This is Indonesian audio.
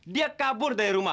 dia kabur dari rumah